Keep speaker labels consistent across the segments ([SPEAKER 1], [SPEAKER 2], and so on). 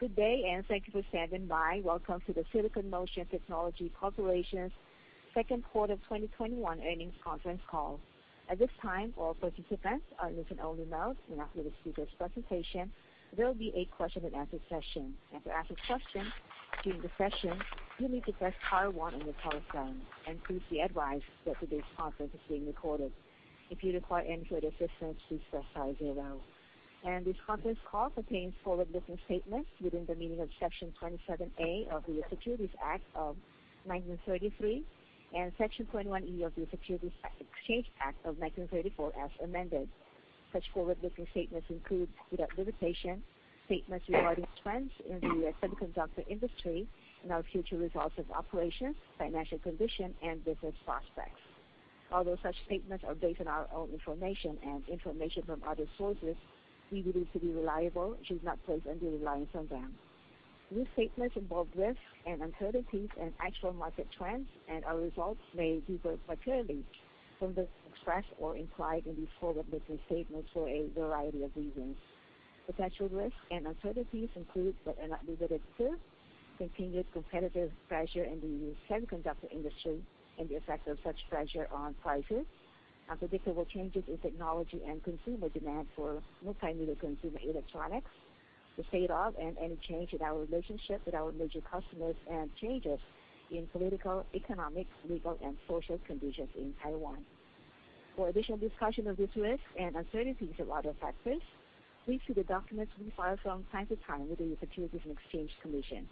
[SPEAKER 1] Good day, and thank you for standing by. Welcome to the Silicon Motion Technology Corporation's second quarter 2021 earnings conference call. At this time, all participants are in listen-only mode. After the speaker's presentation, there will be a question-and-answer session. To ask a question during the session, you'll need to press star one on your telephone. Please be advised that today's conference is being recorded. If you require any further assistance, please press star zero. This conference call contains forward-looking statements within the meaning of Section 27A of the Securities Act of 1933 and Section 21E of the Securities Exchange Act of 1934 as amended. Such forward-looking statements include, without limitation, statements regarding trends in the semiconductor industry and our future results of operations, financial condition, and business prospects. Although such statements are based on our own information and information from other sources we believe to be reliable, you should not place undue reliance on them. These statements involve risks and uncertainties, and actual market trends and our results may differ materially from those expressed or implied in these forward-looking statements for a variety of reasons. Potential risks and uncertainties include, but are not limited to, continued competitive pressure in the semiconductor industry and the effect of such pressure on prices, unpredictable changes in technology and consumer demand for multimedia consumer electronics, the state of and any change in our relationship with our major customers, and changes in political, economic, legal, and social conditions in Taiwan. For additional discussion of these risks and uncertainties and other factors, please see the documents we file from time to time with the Securities and Exchange Commission.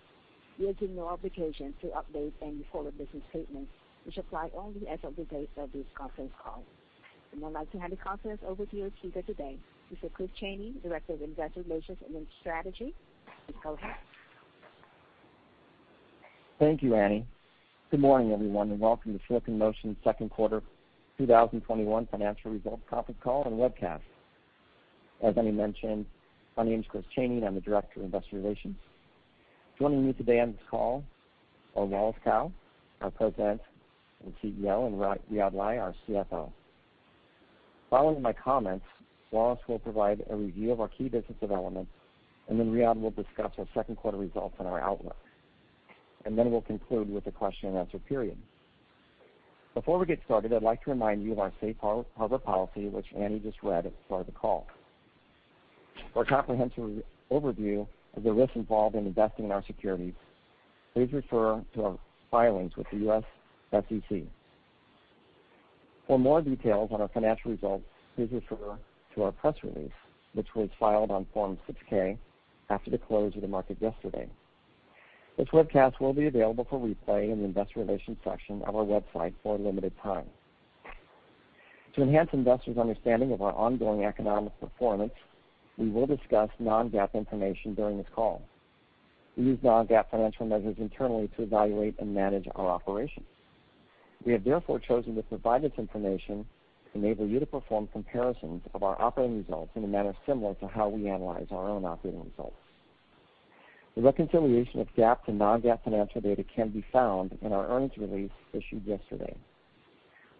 [SPEAKER 1] We assume no obligation to update any forward-looking statements, which apply only as of the date of this conference call. I'd like to hand the conference over to your speaker today, Mr. Chris Chaney, Director of Investor Relations and Strategy. Chris, go ahead.
[SPEAKER 2] Thank you, Annie. Good morning, everyone, and welcome to Silicon Motion's second quarter 2021 financial results conference call and webcast. As Annie mentioned, my name is Chris Chaney. I'm the Director of Investor Relations. Joining me today on this call are Wallace Kou, our President and CEO, and Riyadh Lai, our CFO. Following my comments, Wallace will provide a review of our key business developments, and then Riyadh will discuss our second quarter results and our outlook. We'll conclude with the question and answer period. Before we get started, I'd like to remind you of our safe harbor policy, which Annie just read at the start of the call. For a comprehensive overview of the risks involved in investing in our securities, please refer to our filings with the U.S. SEC. For more details on our financial results, please refer to our press release, which was filed on Form 6-K after the close of the market yesterday. This webcast will be available for replay in the investor relations section of our website for a limited time. To enhance investors' understanding of our ongoing economic performance, we will discuss non-GAAP information during this call. We use non-GAAP financial measures internally to evaluate and manage our operations. We have therefore chosen to provide this information to enable you to perform comparisons of our operating results in a manner similar to how we analyze our own operating results. The reconciliation of GAAP to non-GAAP financial data can be found in our earnings release issued yesterday.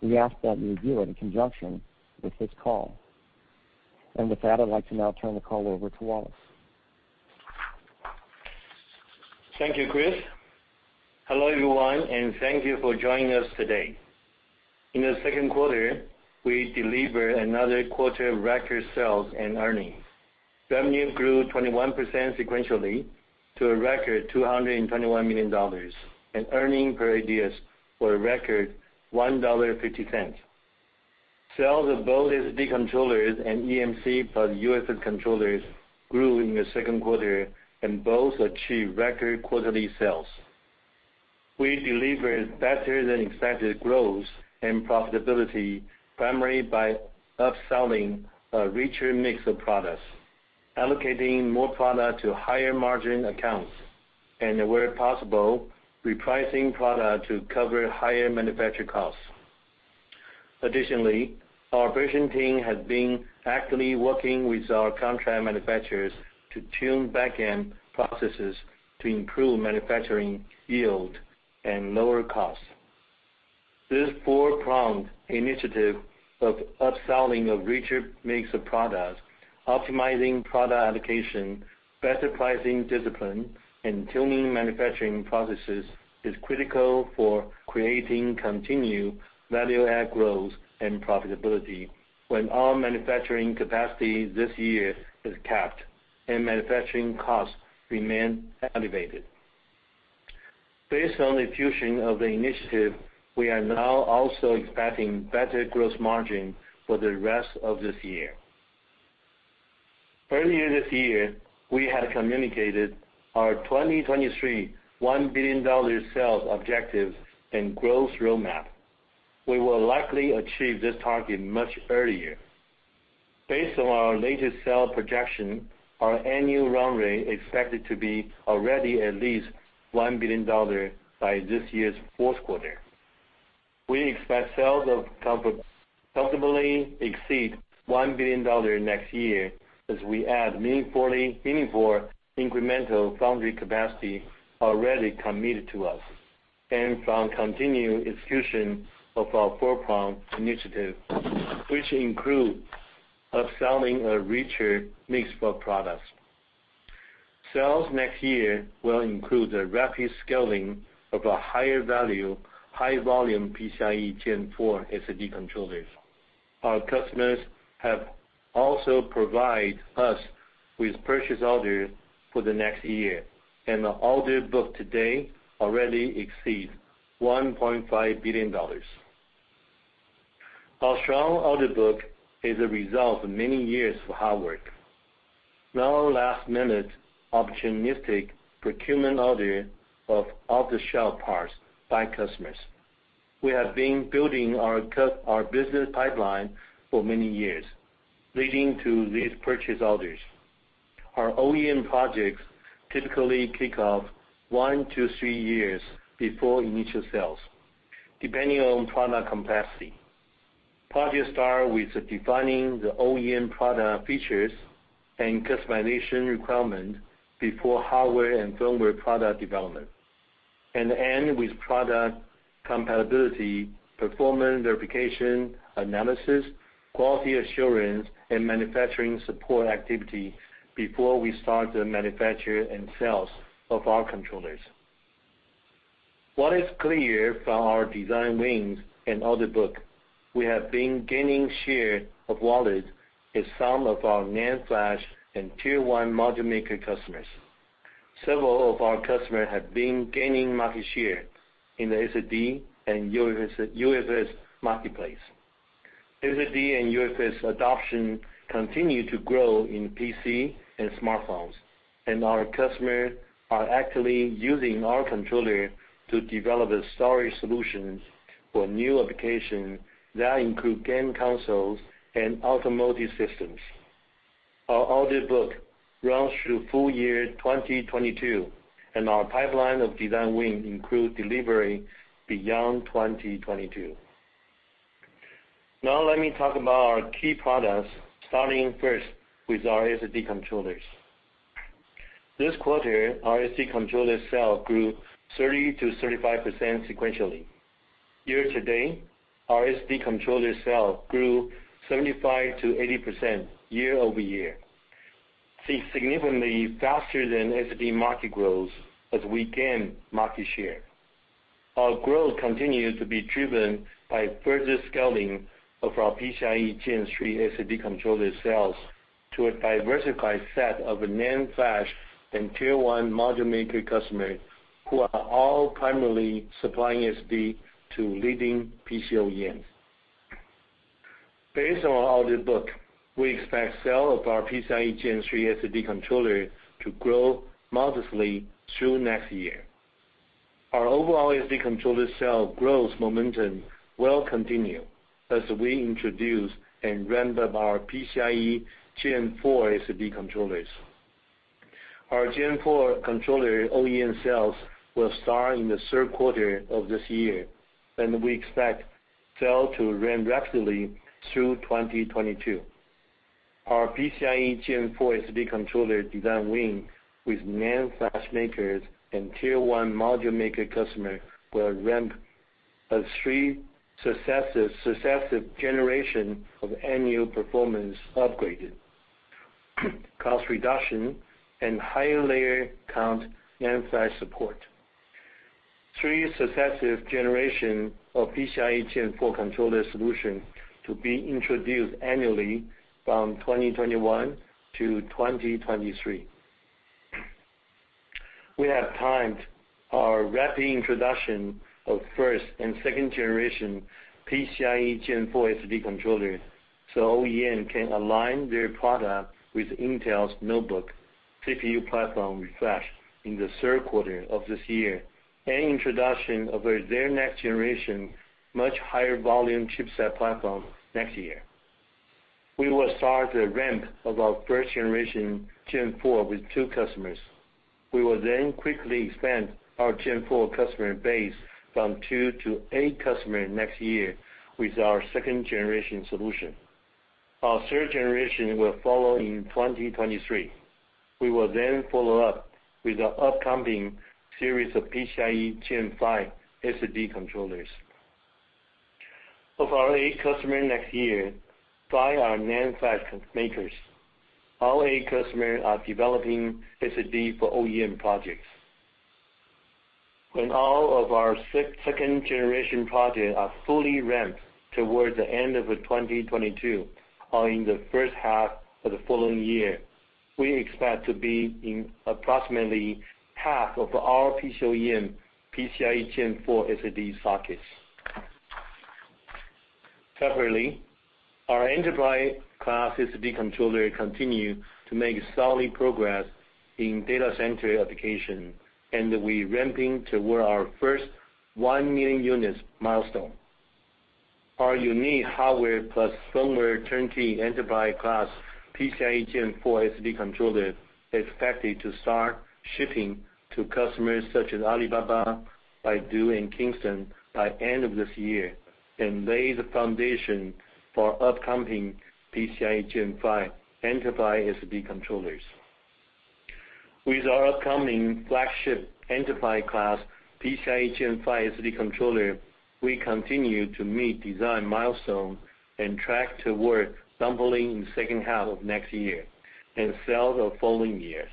[SPEAKER 2] We ask that you review it in conjunction with this call. With that, I'd like to now turn the call over to Wallace.
[SPEAKER 3] Thank you, Chris. Hello, everyone, and thank you for joining us today. In the second quarter, we delivered another quarter of record sales and earnings. Revenue grew 21% sequentially to a record $221 million, and earnings per ADS for a record $1.50. Sales of both SSD controllers and eMMC plus UFS controllers grew in the second quarter and both achieved record quarterly sales. We delivered better than expected growth and profitability, primarily by upselling a richer mix of products, allocating more product to higher margin accounts, and where possible, repricing product to cover higher manufacturing costs. Additionally, our operation team has been actively working with our contract manufacturers to tune back-end processes to improve manufacturing yield and lower costs. This four-pronged initiative of upselling a richer mix of products, optimizing product allocation, better pricing discipline, and tuning manufacturing processes is critical for creating continued value-add growth and profitability when our manufacturing capacity this year is capped and manufacturing costs remain elevated. Based on the fusion of the initiative, we are now also expecting better gross margin for the rest of this year. Earlier this year, we had communicated our 2023 $1 billion sales objective and growth roadmap. We will likely achieve this target much earlier. Based on our latest sales projection, our annual run rate expected to be already at least $1 billion by this year's fourth quarter. We expect sales to comfortably exceed $1 billion next year as we add meaningful incremental foundry capacity already committed to us, and from continued execution of our four-pronged initiative, which including selling a richer mix of products. Sales next year will include the rapid scaling of our higher value, high volume PCIe Gen 4 SSD controllers. Our customers have also provide us with purchase orders for the next year, and the order book today already exceeds $1.5 billion. Our strong order book is a result of many years of hard work, no last-minute opportunistic procurement order of off-the-shelf parts by customers. We have been building our business pipeline for many years, leading to these purchase orders. Our OEM projects typically kick off one year-three years before initial sales, depending on product complexity. Projects start with defining the OEM product features and customization requirement before hardware and firmware product development, and end with product compatibility, performance verification, analysis, quality assurance, and manufacturing support activity before we start the manufacture and sales of our controllers. What is clear from our design wins and order book, we have been gaining share of wallet with some of our NAND flash and Tier 1 module maker customers. Several of our customers have been gaining market share in the SSD and UFS marketplace. SSD and UFS adoption continue to grow in PC and smartphones, and our customers are actively using our controller to develop storage solutions for new applications that include game consoles and automotive systems. Our order book runs through full year 2022, and our pipeline of design wins include delivery beyond 2022. Now let me talk about our key products, starting first with our SSD controllers. This quarter, our SSD controller sale grew 30%-35% sequentially. Year-to-date, our SSD controller sale grew 75%-80% year-over-year, seeing significantly faster than SSD market growth as we gain market share. Our growth continues to be driven by further scaling of our PCIe Gen 3 SSD controller sales to a diversified set of NAND flash and Tier 1 module maker customers, who are all primarily supplying SSD to leading PC OEMs. Based on our order book, we expect sale of our PCIe Gen 3 SSD controller to grow modestly through next year. Our overall SSD controller sale growth momentum will continue as we introduce and ramp up our PCIe Gen 4 SSD controllers. Our Gen 4 controller OEM sales will start in the third quarter of this year, and we expect sale to ramp rapidly through 2022. Our PCIe Gen 4 SSD controller design win with NAND flash makers and Tier 1 module maker customer will ramp as three successive generation of annual performance upgraded, cost reduction, and higher layer count NAND flash support. Three successive generation of PCIe Gen 4 controller solution to be introduced annually from 2021 to 2023. We have timed our rapid introduction of first and second generation PCIe Gen 4 SSD controllers so OEM can align their product with Intel's notebook CPU platform refresh in the third quarter of this year, and introduction of their next generation, much higher volume chipset platform next year. We will start the ramp of our first generation Gen 4 with two customers. We will quickly expand our Gen 4 customer base from two-eight customers next year with our second generation solution. Our third generation will follow in 2023. We will follow up with the upcoming series of PCIe Gen 5 SSD controllers. Of our eight customers next year, five are NAND flash makers. All 8 customers are developing SSD for OEM projects. When all of our second generation projects are fully ramped towards the end of 2022 or in the first half of the following year, we expect to be in approximately half of our PC OEM PCIe Gen 4 SSD sockets. Separately, our enterprise-class SSD controller continue to make solid progress in data center application, and will be ramping toward our first 1 million units milestone. Our unique hardware plus software turnkey enterprise-class PCIe Gen 4 SSD controller expected to start shipping to customers such as Alibaba, Baidu, and Kingston by end of this year, and lay the foundation for upcoming PCIe Gen 5 enterprise SSD controllers. With our upcoming flagship enterprise-class PCIe Gen 5 SSD controller, we continue to meet design milestones and track toward sampling in the second half of next year and sell the following years.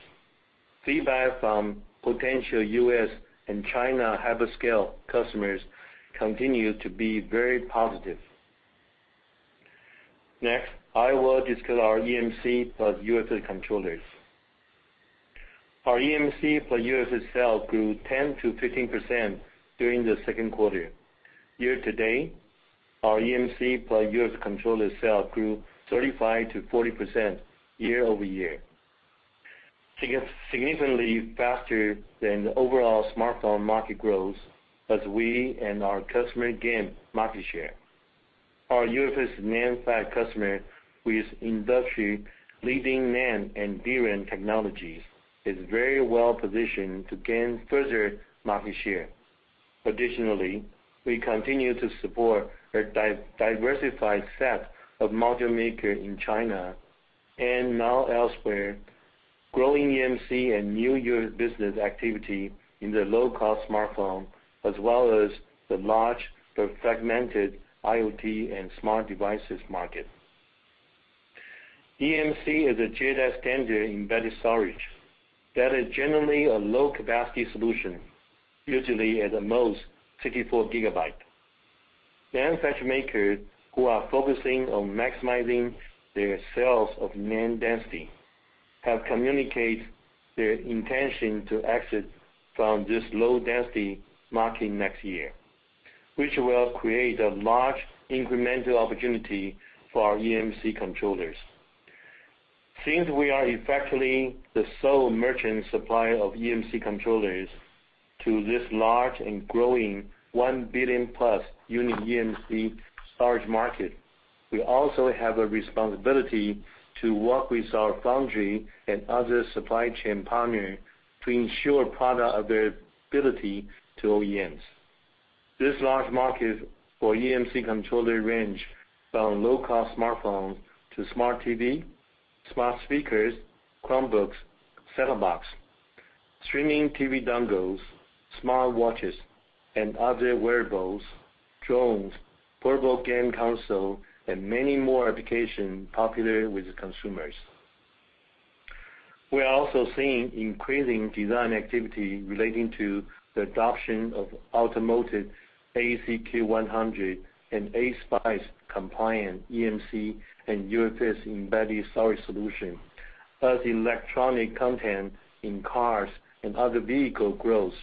[SPEAKER 3] Feedback from potential U.S. and China hyperscale customers continue to be very positive. Next, I will discuss our eMMC plus UFS controllers. Our eMMC plus UFS sale grew 10%-15% during the second quarter. Year-to-date, our eMMC plus UFS controller sale grew 35%-40% year-over-year. Significantly faster than the overall smartphone market growth as we and our customer gain market share. Our UFS NAND flash customer with industry-leading NAND and DRAM technologies is very well-positioned to gain further market share. Additionally, we continue to support a diversified set of module makers in China and now elsewhere, growing eMMC and new UFS business activity in the low-cost smartphone as well as the large but fragmented IoT and smart devices market. eMMC is a JEDEC standard embedded storage that is generally a low-capacity solution, usually at the most 64 GB. NAND flash makers who are focusing on maximizing their sales of NAND density have communicated their intention to exit from this low-density market next year, which will create a large incremental opportunity for our eMMC controllers. Since we are effectively the sole merchant supplier of eMMC controllers to this large and growing 1+ billion unit eMMC storage market, we also have a responsibility to work with our foundry and other supply chain partners to ensure product availability to OEMs. This large market for eMMC controller range from low-cost smartphone to smart TV, smart speakers, Chromebooks, set-top box, streaming TV dongles, smart watches, and other wearables, drones, portable game consoles, and many more applications popular with consumers. We are also seeing increasing design activity relating to the adoption of automotive AEC-Q100 and ASPICE-compliant eMMC and UFS embedded storage solution as electronic content in cars and other vehicle grows.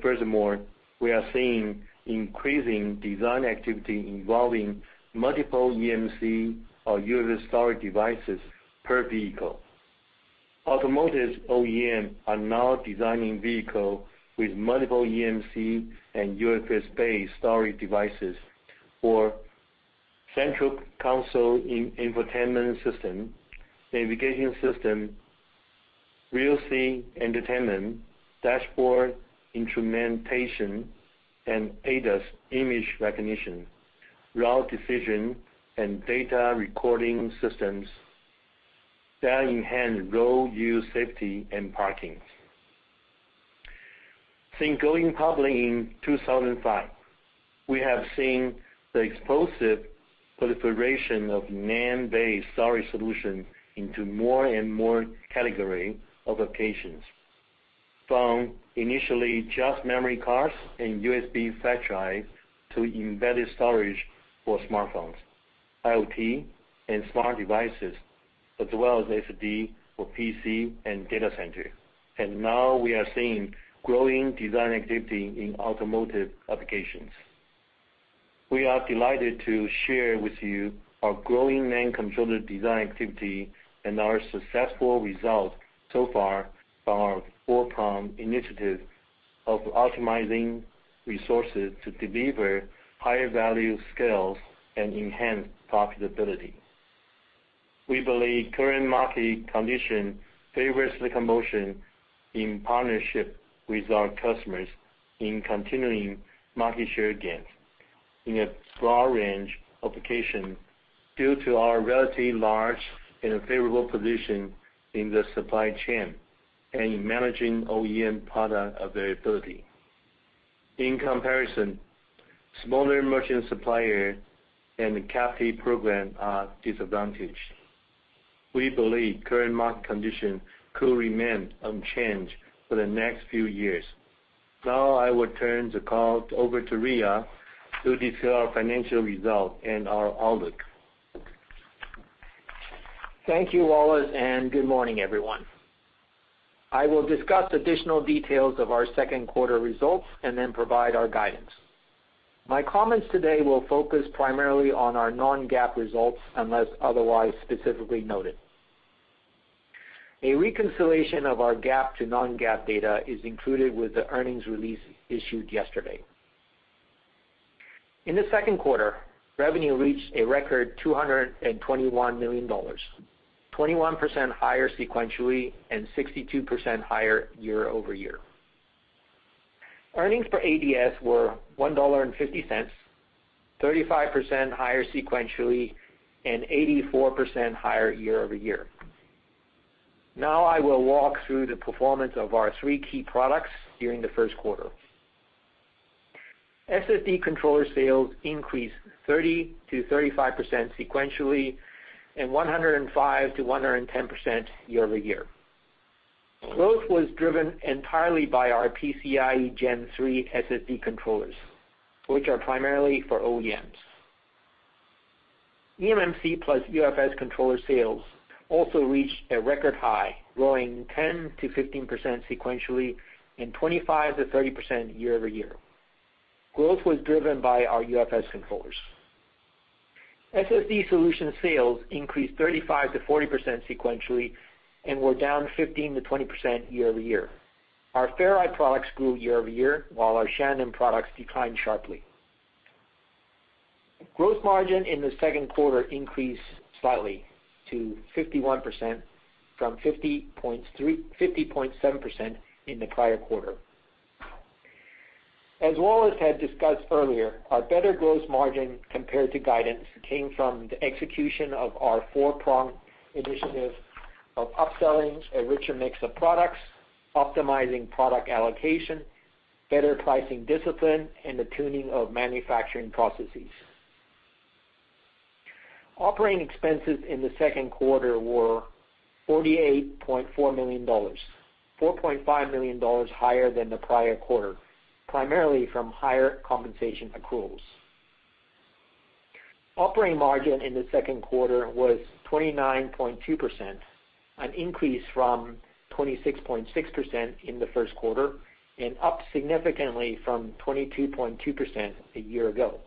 [SPEAKER 3] Furthermore, we are seeing increasing design activity involving multiple eMMC or UFS storage devices per vehicle. Automotive OEMs are now designing vehicles with multiple eMMC and UFS-based storage devices for central console infotainment system, navigation system, rear-seat entertainment, dashboard instrumentation, and ADAS image recognition, route decision, and data recording systems that enhance road use safety and parking. Since going public in 2005, we have seen the explosive proliferation of NAND-based storage solutions into more and more categories of applications. From initially just memory cards and USB flash drive to embedded storage for smartphones, IoT, and smart devices, as well as SSD for PC and data center. Now we are seeing growing design activity in automotive applications. We are delighted to share with you our growing NAND controller design activity and our successful results so far from our four-prong initiative of optimizing resources to deliver higher value scales and enhance profitability. We believe current market condition favors Silicon Motion in partnership with our customers in continuing market share gains in a broad range of applications due to our relatively large and favorable position in the supply chain and in managing OEM product availability. In comparison, smaller merchant suppliers and the captive program are disadvantaged. We believe current market conditions could remain unchanged for the next few years. Now I will turn the call over to Riyadh to discuss our financial results and our outlook.
[SPEAKER 4] Thank you, Wallace, and good morning, everyone. I will discuss additional details of our second quarter results and then provide our guidance. My comments today will focus primarily on our non-GAAP results unless otherwise specifically noted. A reconciliation of our GAAP to non-GAAP data is included with the earnings release issued yesterday. In the second quarter, revenue reached a record $221 million, 21% higher sequentially and 62% higher year-over-year. Earnings per ADS were $1.50, 35% higher sequentially, and 84% higher year-over-year. Now I will walk through the performance of our three key products during the first quarter. SSD controller sales increased 30%-35% sequentially and 105%-110% year-over-year. Growth was driven entirely by our PCIe Gen 3 SSD controllers, which are primarily for OEMs. eMMC plus UFS controller sales also reached a record high, growing 10%-15% sequentially and 25%-30% year-over-year. Growth was driven by our UFS controllers. SSD solution sales increased 35%-40% sequentially and were down 15%-20% year-over-year. Our Ferri products grew year-over-year, while our Shannon products declined sharply. Gross margin in the second quarter increased slightly to 51%, from 50.7% in the prior quarter. As Wallace had discussed earlier, our better gross margin compared to guidance came from the execution of our four-prong initiative of upselling a richer mix of products, optimizing product allocation, better pricing discipline, and the tuning of manufacturing processes. Operating expenses in the second quarter were $48.4 million, $4.5 million higher than the prior quarter, primarily from higher compensation accruals. Operating margin in the second quarter was 29.2%, an increase from 26.6% in the first quarter, and up significantly from 22.2% a year ago.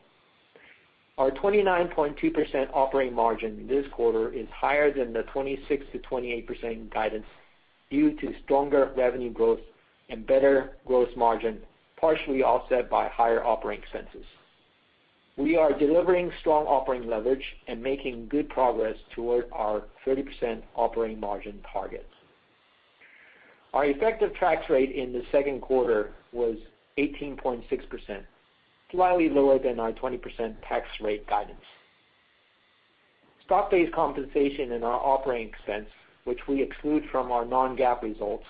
[SPEAKER 4] Our 29.2% operating margin this quarter is higher than the 26%-28% guidance due to stronger revenue growth and better gross margin, partially offset by higher operating expenses. We are delivering strong operating leverage and making good progress toward our 30% operating margin target. Our effective tax rate in the second quarter was 18.6%, slightly lower than our 20% tax rate guidance. Stock-based compensation in our operating expense, which we exclude from our non-GAAP results,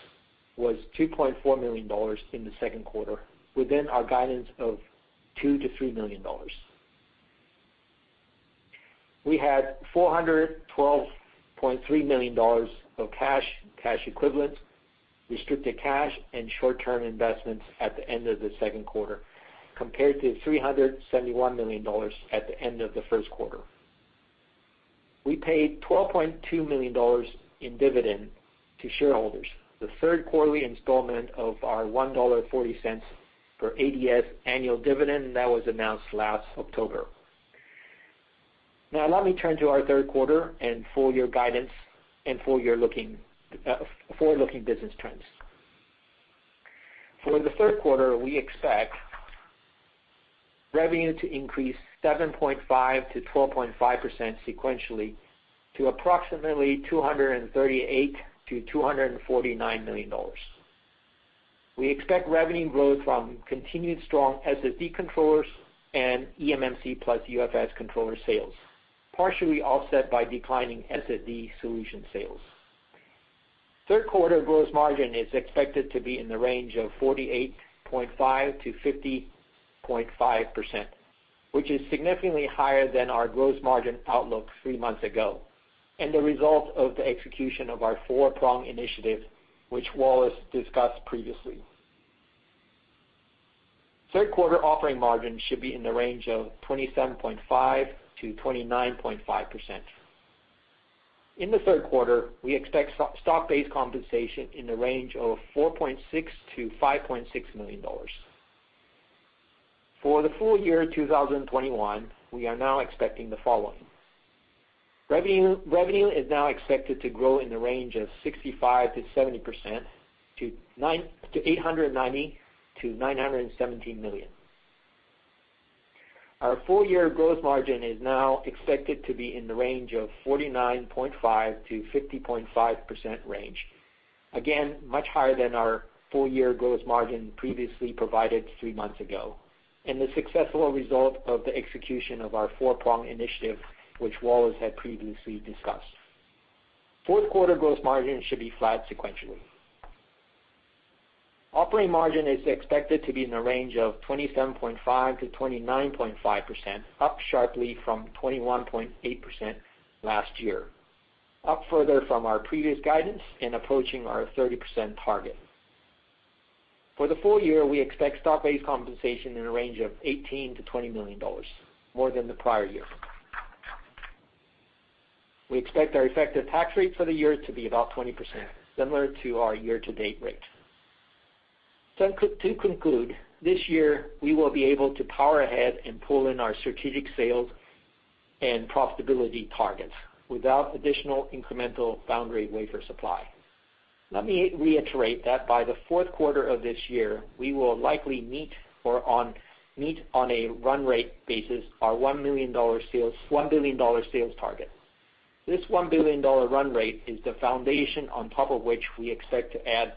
[SPEAKER 4] was $2.4 million in the second quarter, within our guidance of $2 million-$3 million. We had $412.3 million of cash equivalents, restricted cash, and short-term investments at the end of the second quarter, compared to $371 million at the end of the first quarter. We paid $12.2 million in dividend to shareholders, the third quarterly installment of our $1.40 per ADS annual dividend that was announced last October. Let me turn to our third quarter and full-year guidance and forward-looking business trends. For the third quarter, we expect revenue to increase 7.5%-12.5% sequentially to approximately $238 million-$249 million. We expect revenue growth from continued strong SSD controllers and eMMC plus UFS controller sales, partially offset by declining SSD solution sales. Third quarter gross margin is expected to be in the range of 48.5%-50.5%, which is significantly higher than our gross margin outlook three months ago, and the result of the execution of our four-prong initiative, which Wallace discussed previously. Third quarter operating margin should be in the range of 27.5%-29.5%. In the third quarter, we expect stock-based compensation in the range of $4.6 million-$5.6 million. For the full year 2021, we are now expecting the following. Revenue is now expected to grow in the range of 65%-70%, to $890 million-$917 million. Our full-year gross margin is now expected to be in the range of 49.5%-50.5% range. Again, much higher than our full-year gross margin previously provided three months ago, and the successful result of the execution of our four-prong initiative, which Wallace had previously discussed. Fourth quarter gross margin should be flat sequentially. Operating margin is expected to be in the range of 27.5%-29.5%, up sharply from 21.8% last year, up further from our previous guidance, and approaching our 30% target. For the full year, we expect stock-based compensation in the range of $18 million-$20 million, more than the prior year. We expect our effective tax rate for the year to be about 20%, similar to our year-to-date rate. To conclude, this year, we will be able to power ahead and pull in our strategic sales and profitability targets without additional incremental foundry wafer supply. Let me reiterate that by the fourth quarter of this year, we will likely meet on a run rate basis our $1 billion sales target. This $1 billion run rate is the foundation on top of which we expect to add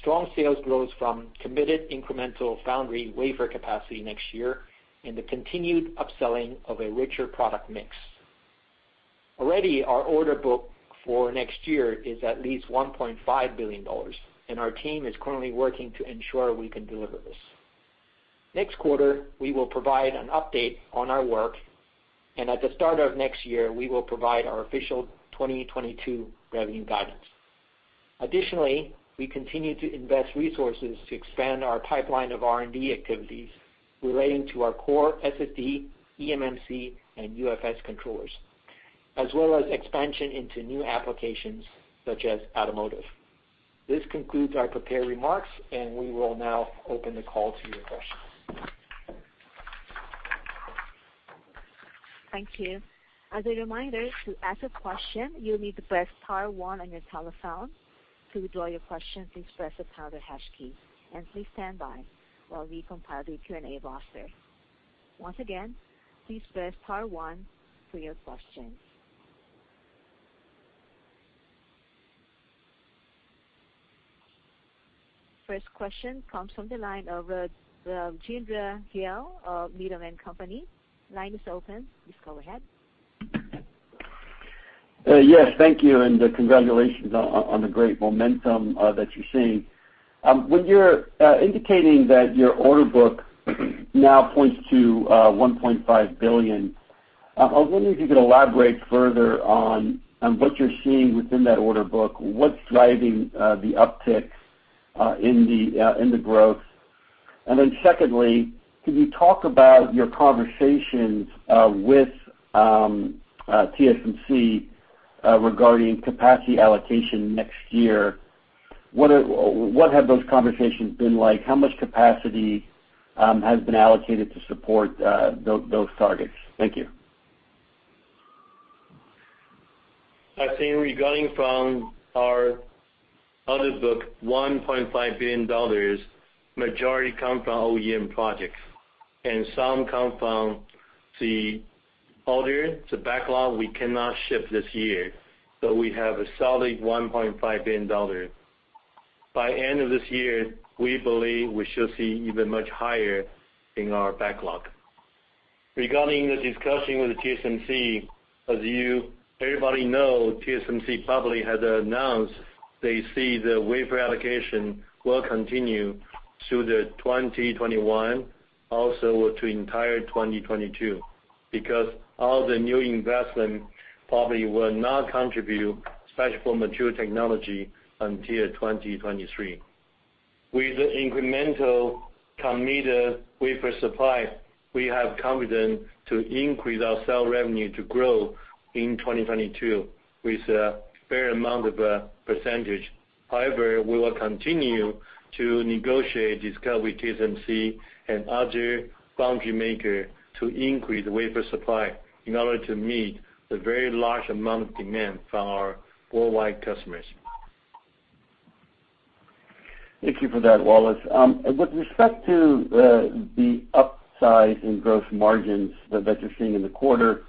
[SPEAKER 4] strong sales growth from committed incremental foundry wafer capacity next year and the continued upselling of a richer product mix. Already, our order book for next year is at least $1.5 billion, and our team is currently working to ensure we can deliver this. Next quarter, we will provide an update on our work, and at the start of next year, we will provide our official 2022 revenue guidance. We continue to invest resources to expand our pipeline of R&D activities relating to our core SSD, eMMC, and UFS controllers, as well as expansion into new applications such as automotive. This concludes our prepared remarks, and we will now open the call to your questions.
[SPEAKER 1] Thank you. As a reminder, to ask a question, you'll need to press star one on your telephone. To withdraw your question, please press the pound or hash key. Please stand by while we compile the Q&A roster. Once again, please press star one for your questions. First question comes from the line of Rajvindra Gill of Needham & Company. Line is open. Please go ahead.
[SPEAKER 5] Yes. Thank you, and congratulations on the great momentum that you're seeing. When you're indicating that your order book now points to $1.5 billion, I was wondering if you could elaborate further on what you're seeing within that order book. What's driving the uptick in the growth? Then secondly, could you talk about your conversations with TSMC regarding capacity allocation next year? What have those conversations been like? How much capacity has been allocated to support those targets? Thank you.
[SPEAKER 3] I think regarding from our orders book, $1.5 billion majority come from OEM projects, and some come from the order, the backlog we cannot ship this year. We have a solid $1.5 billion. By end of this year, we believe we should see even much higher in our backlog. Regarding the discussion with TSMC, as everybody know, TSMC probably has announced they see the wafer allocation will continue through the 2021, also to entire 2022, because all the new investment probably will not contribute, especially for mature technology, until 2023. With the incremental committed wafer supply, we have confidence to increase our sale revenue to grow in 2022 with a fair amount of percentage. However, we will continue to negotiate, discuss with TSMC and other foundry maker to increase wafer supply in order to meet the very large amount of demand from our worldwide customers.
[SPEAKER 5] Thank you for that, Wallace. With respect to the upside in gross margins that you're seeing in the quarter,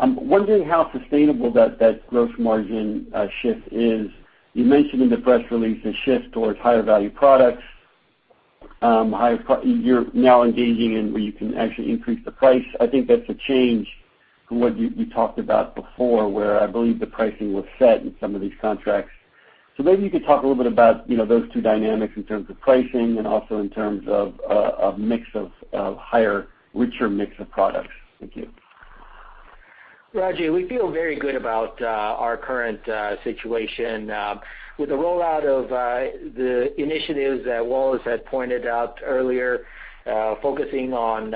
[SPEAKER 5] I'm wondering how sustainable that gross margin shift is? You mentioned in the press release a shift towards higher value products. You're now engaging in where you can actually increase the price. I think that's a change from what you talked about before, where I believe the pricing was set in some of these contracts. Maybe you could talk a little bit about those two dynamics in terms of pricing and also in terms of a richer mix of products. Thank you.
[SPEAKER 4] Rajvindra, we feel very good about our current situation. With the rollout of the initiatives that Wallace had pointed out earlier, focusing on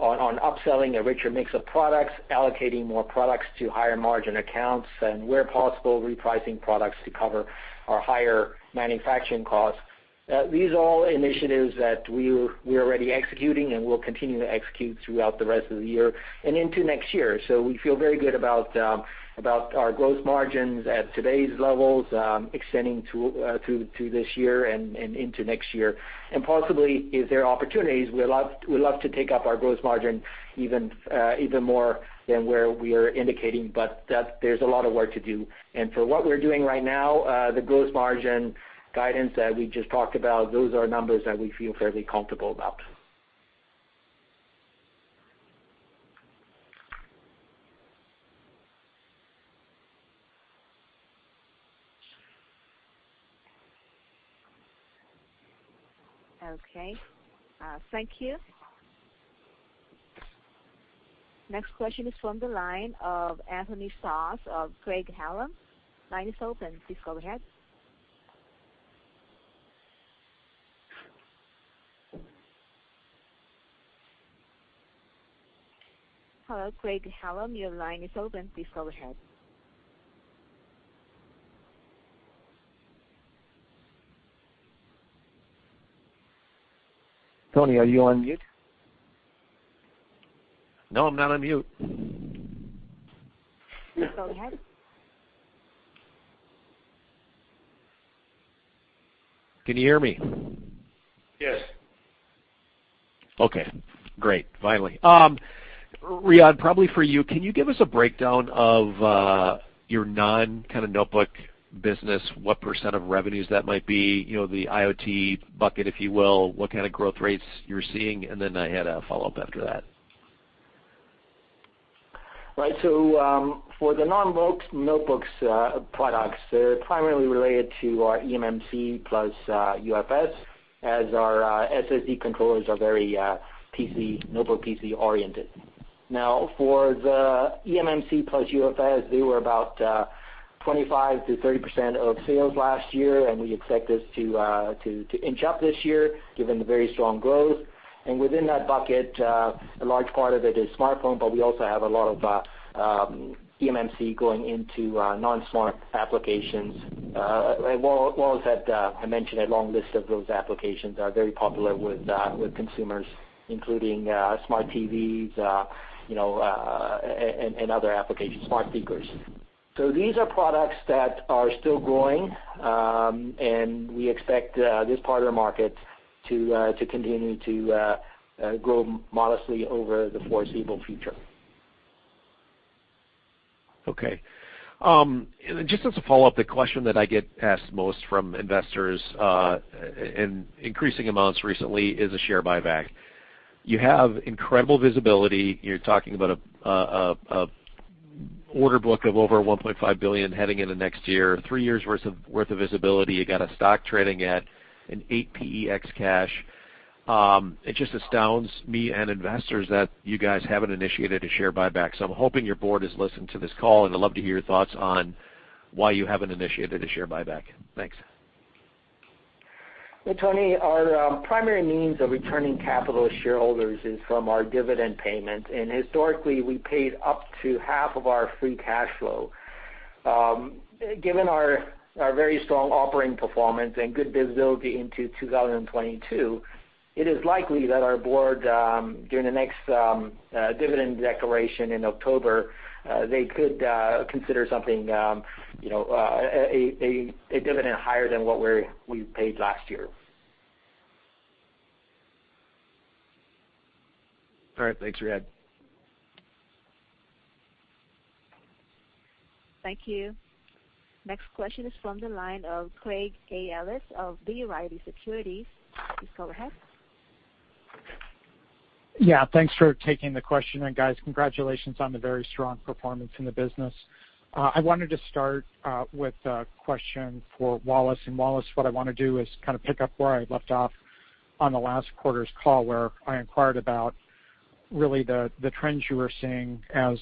[SPEAKER 4] upselling a richer mix of products, allocating more products to higher margin accounts and where possible, repricing products to cover our higher manufacturing costs. These are all initiatives that we're already executing and will continue to execute throughout the rest of the year and into next year. We feel very good about our gross margins at today's levels, extending to this year and into next year. Possibly, if there are opportunities, we'd love to take up our gross margin even more than where we are indicating, but there's a lot of work to do. For what we're doing right now, the gross margin guidance that we just talked about, those are numbers that we feel fairly comfortable about.
[SPEAKER 1] Okay. Thank you. Next question is from the line of Anthony Stoss of Craig-Hallum. Line is open. Please go ahead. Hello, Craig-Hallum, your line is open. Please go ahead.
[SPEAKER 4] Tony, are you on mute?
[SPEAKER 6] No, I'm not on mute.
[SPEAKER 1] Please go ahead.
[SPEAKER 6] Can you hear me?
[SPEAKER 3] Yes.
[SPEAKER 6] Okay, great. Finally. Riyadh, probably for you, can you give us a breakdown of your non-notebook business, what percent of revenues that might be, the IoT bucket, if you will, what kind of growth rates you're seeing, and then I had a follow-up after that?
[SPEAKER 4] Right. For the non-notebook products, they're primarily related to our eMMC plus UFS, as our SSD controllers are very notebook PC oriented. For the eMMC plus UFS, they were about 25%-30% of sales last year, and we expect this to inch up this year given the very strong growth. Within that bucket, a large part of it is smartphone, but we also have a lot of eMMC going into non-smart applications. Wallace had mentioned a long list of those applications are very popular with consumers, including smart TVs and other applications, smart speakers. These are products that are still growing, and we expect this part of the market to continue to grow modestly over the foreseeable future.
[SPEAKER 6] Okay. Just as a follow-up, the question that I get asked most from investors, in increasing amounts recently, is a share buyback. You have incredible visibility. You're talking about an order book of over $1.5 billion heading into next year, three years' worth of visibility. You got a stock trading at an eight PE ex cash. It just astounds me and investors that you guys haven't initiated a share buyback. I'm hoping your board has listened to this call, and I'd love to hear your thoughts on why you haven't initiated a share buyback. Thanks.
[SPEAKER 4] Well, Anthony, our primary means of returning capital to shareholders is from our dividend payment. Historically, we paid up to half of our free cash flow. Given our very strong operating performance and good visibility into 2022, it is likely that our board, during the next dividend declaration in October, they could consider a dividend higher than what we paid last year.
[SPEAKER 6] All right. Thanks, Riyadh.
[SPEAKER 1] Thank you. Next question is from the line of Craig A. Ellis of B. Riley Securities. Please go ahead.
[SPEAKER 7] Thanks for taking the question, guys, congratulations on the very strong performance in the business. I wanted to start with a question for Wallace. Wallace, what I want to do is pick up where I left off on the last quarter's call, where I inquired about really the trends you were seeing as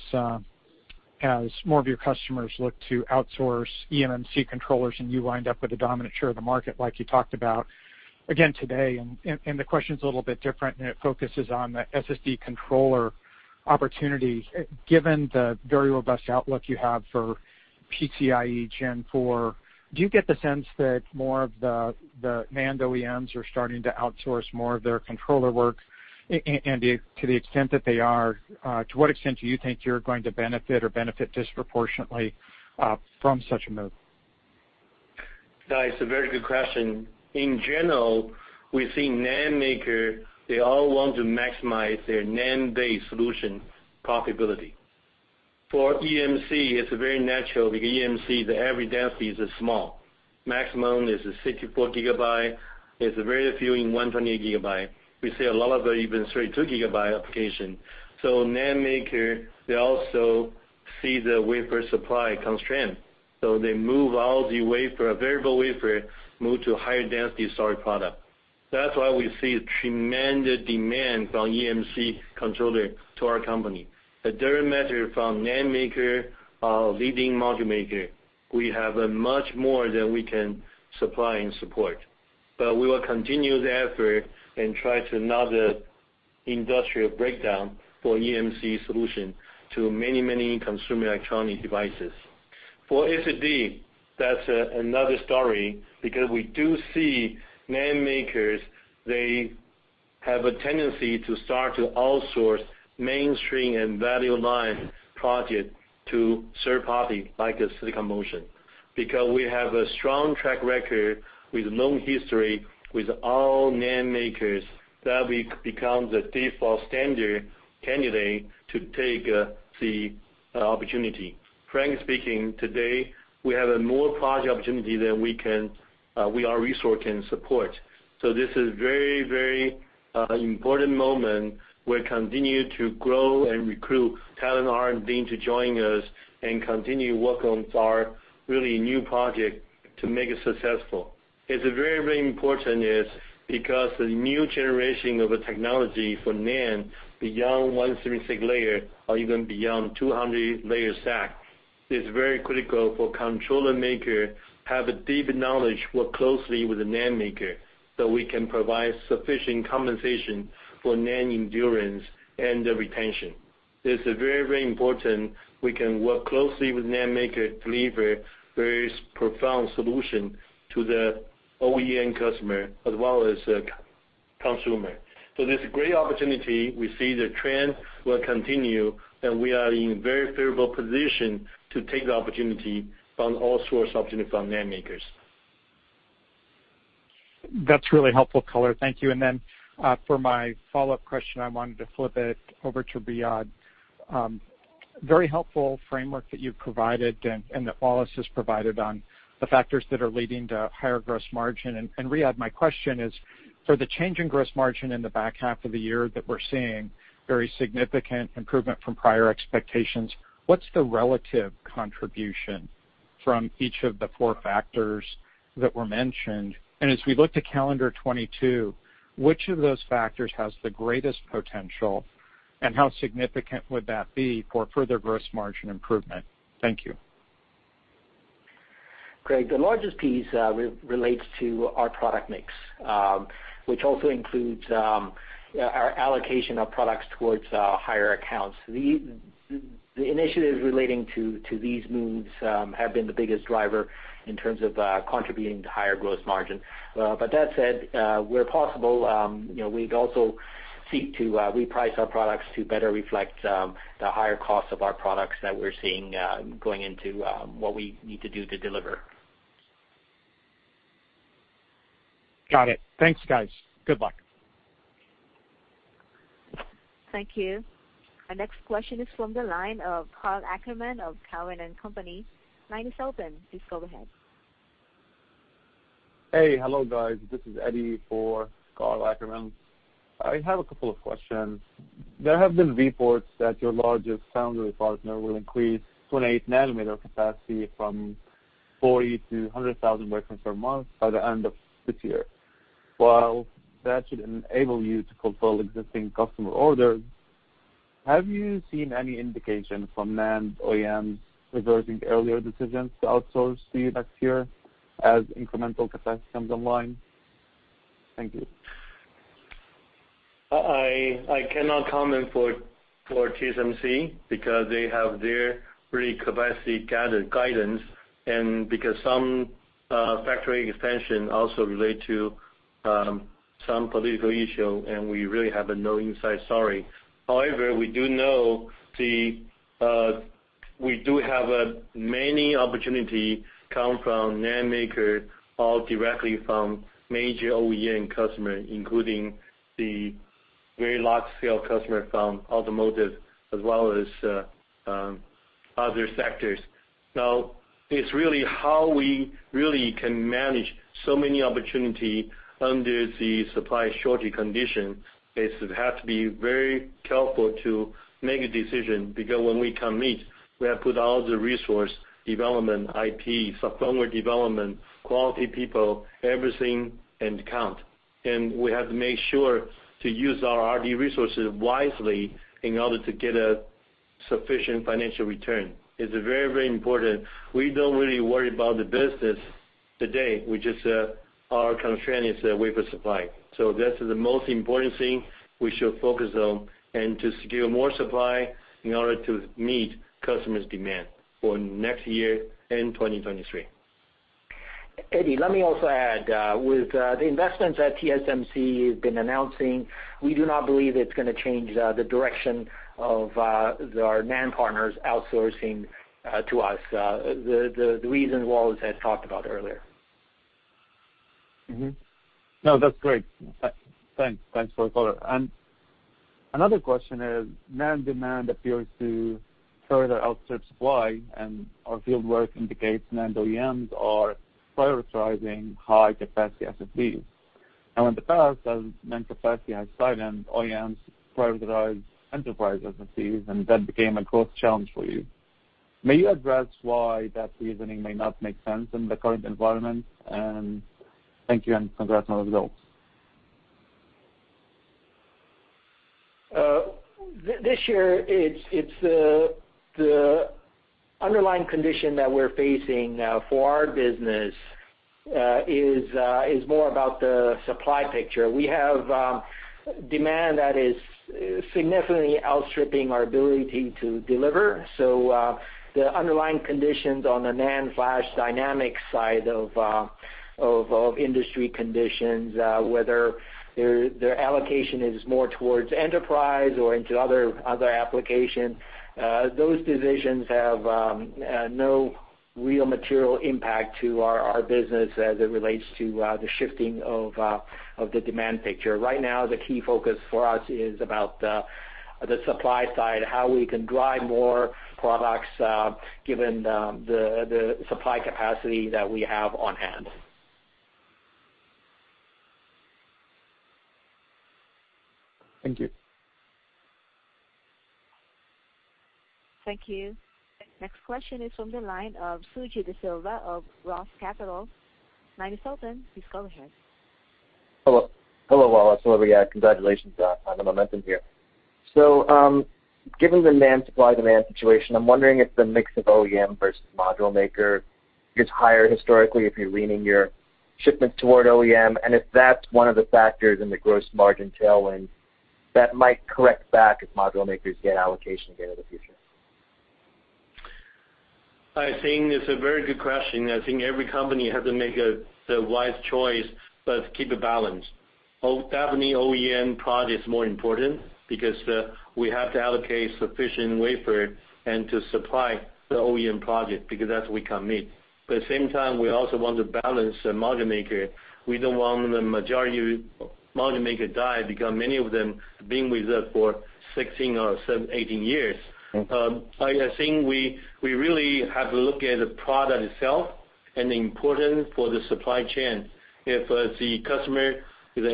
[SPEAKER 7] more of your customers look to outsource eMMC controllers, and you wind up with a dominant share of the market like you talked about again today. The question's a little bit different, and it focuses on the SSD controller opportunity. Given the very robust outlook you have for PCIe Gen 4, do you get the sense that more of the NAND OEMs are starting to outsource more of their controller work? To the extent that they are, to what extent do you think you're going to benefit or benefit disproportionately from such a move?
[SPEAKER 3] That is a very good question. In general, we're seeing NAND maker, they all want to maximize their NAND-based solution profitability. eMMC, it's very natural because eMMC, the average density is small. Maximum is 64 GB. There's very few in 128 GB. We see a lot of even 32 GB application. NAND maker, they also see the wafer supply constraint. They move all the variable wafer, move to a higher density storage product. That's why we see a tremendous demand from eMMC controller to our company. The demand from NAND maker, our leading module maker, we have much more than we can supply and support. We will continue the effort and try to another industrial breakdown for eMMC solution to many consumer electronic devices. For SSD, that's another story because we do see NAND makers, they have a tendency to start to outsource mainstream and value line project to third party like Silicon Motion. We have a strong track record with long history with all NAND makers, that we become the default standard candidate to take the opportunity. Frankly speaking, today, we have a more project opportunity than our resource can support. This is very important moment. We continue to grow and recruit talent, R&D, to join us and continue work on our really new project to make it successful. It's very important is because the new generation of a technology for NAND beyond 136-layer or even beyond 200-layer stack is very critical for controller maker, have a deep knowledge, work closely with the NAND maker so we can provide sufficient compensation for NAND endurance and retention. It's very important we can work closely with NAND maker to deliver various profound solution to the OEM customer as well as consumer. There's a great opportunity. We see the trend will continue, and we are in very favorable position to take the opportunity from all sorts of opportunities from NAND makers.
[SPEAKER 7] That's really helpful, Kou. Thank you. Then, for my follow-up question, I wanted to flip it over to Riyadh. Very helpful framework that you've provided and that Wallace has provided on the factors that are leading to higher gross margin. Riyadh, my question is, for the change in gross margin in the back half of the year that we're seeing very significant improvement from prior expectations, what's the relative contribution from each of the four factors that were mentioned? As we look to calendar 2022, which of those factors has the greatest potential, and how significant would that be for further gross margin improvement? Thank you.
[SPEAKER 4] Craig, the largest piece relates to our product mix, which also includes our allocation of products towards higher accounts. The initiatives relating to these moves have been the biggest driver in terms of contributing to higher gross margin. That said, where possible, we'd also seek to reprice our products to better reflect the higher cost of our products that we're seeing going into what we need to do to deliver.
[SPEAKER 7] Got it. Thanks, guys. Good luck.
[SPEAKER 1] Thank you. Our next question is from the line of Karl Ackerman of Cowen and Company. Line is open. Please go ahead.
[SPEAKER 8] Hey. Hello, guys. This is Eddie for Karl Ackerman. I have a couple of questions. There have been reports that your largest foundry partner will increase 28 nm capacity from 40,000 to 100,000 wafers per month by the end of this year. While that should enable you to fulfill existing customer orders, have you seen any indication from NAND OEMs reversing earlier decisions to outsource to you next year as incremental capacity comes online? Thank you.
[SPEAKER 3] I cannot com ment for TSMC because they have their proprietary capacity guidance, and because some factory expansion also relate to some political issue, we really have no insight, sorry. However, we do know we do have many opportunity come from NAND maker or directly from major OEM customer, including the very large scale customer from automotive as well as other sectors. It's really how we really can manage so many opportunity under the supply shortage condition is have to be very careful to make a decision. When we commit, we have put all the resource development, IP, software development, quality people, everything, and count. We have to make sure to use our R&D resources wisely in order to get a sufficient financial return. It's very, very important. We don't really worry about the business today, our constraint is wafer supply. That is the most important thing we should focus on, and to secure more supply in order to meet customers' demand for next year and 2023.
[SPEAKER 4] Eddie, let me also add, with the investments that TSMC has been announcing, we do not believe it's going to change the direction of our NAND partners outsourcing to us, the reason Wallace had talked about earlier.
[SPEAKER 8] Mm-hmm. No, that's great. Thanks. Thanks for that. Another question is, NAND demand appears to further outstrip supply, and our field work indicates NAND OEMs are prioritizing high-capacity SSDs. Now, in the past, as NAND capacity has tightened, OEMs prioritize enterprise SSDs, and that became a growth challenge for you. May you address why that reasoning may not make sense in the current environment? Thank you, and congrats on the results.
[SPEAKER 4] This year, the underlying condition that we're facing for our business is more about the supply picture. We have demand that is significantly outstripping our ability to deliver. The underlying conditions on the NAND flash dynamic side of industry conditions, whether their allocation is more towards enterprise or into other application, those decisions have no real material impact to our business as it relates to the shifting of the demand picture. Right now, the key focus for us is about the supply side, how we can drive more products given the supply capacity that we have on hand.
[SPEAKER 8] Thank you.
[SPEAKER 1] Thank you. Next question is from the line of Suji Desilva of Roth Capital. Line is open. Please go ahead.
[SPEAKER 9] Hello, Wallace. Hello, Riyadh. Congratulations on the momentum here. Given the NAND supply demand situation, I'm wondering if the mix of OEM versus module maker is higher historically, if you're leaning your shipment toward OEM, and if that's one of the factors in the gross margin tailwind that might correct back if module makers get allocation again in the future?
[SPEAKER 3] I think it's a very good question. I think every company has to make the wise choice, but keep a balance. Definitely OEM project is more important because we have to allocate sufficient wafer and to supply the OEM project because that's we can meet. At the same time, we also want to balance the module maker. We don't want the majority module maker die because many of them been with us for 16 or 18 years. I think we really have to look at the product itself and the importance for the supply chain. If the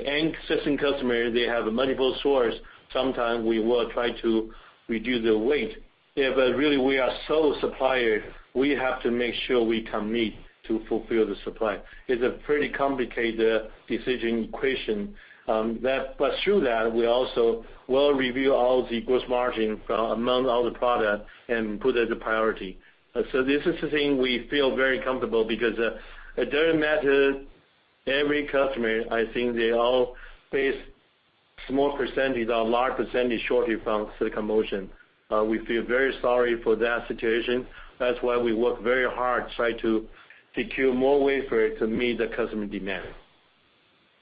[SPEAKER 3] existing customer, they have multiple source, sometimes we will try to reduce the weight. If really we are sole supplier, we have to make sure we can meet to fulfill the supply. It's a pretty complicated decision equation. Through that, we also will review all the gross margin from among all the product and put as a priority. This is the thing we feel very comfortable because it doesn't matter, every customer, I think they all face small percentage or large percentage shortage from Silicon Motion. We feel very sorry for that situation. That's why we work very hard, try to secure more wafer to meet the customer demand.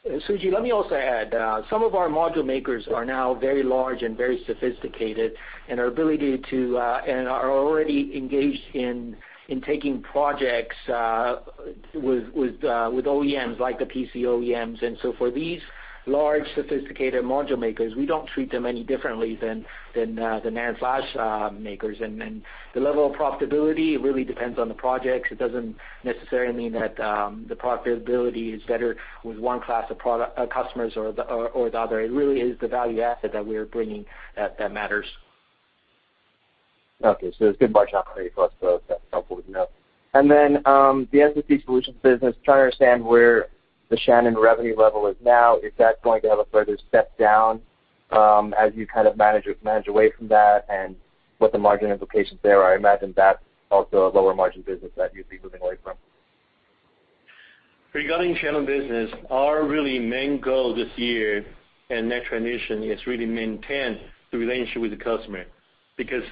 [SPEAKER 4] Suji, let me also add, some of our module makers are now very large and very sophisticated, and are already engaged in taking projects with OEMs like the PC OEMs. For these large, sophisticated module makers, we don't treat them any differently than the NAND flash makers. The level of profitability really depends on the projects. It doesn't necessarily mean that the profitability is better with one class of customers or the other. It really is the value add that we're bringing that matters.
[SPEAKER 9] Okay. It's good margin for you folks. That's helpful to know. The SSD solutions business, trying to understand where the Shannon revenue level is now. Is that going to have a further step down as you kind of manage away from that and what the margin implications there are? I imagine that's also a lower margin business that you'd be moving away from.
[SPEAKER 3] Regarding Shannon business, our main goal this year and next transition is maintain the relationship with the customer because